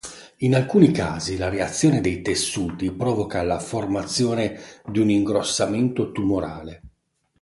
In alcuni casi, la reazione dei tessuti provoca la formazione di un ingrossamento tumorale.